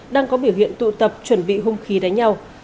đang có biểu hiện tụ tập chuẩn bị hung khí đánh nhau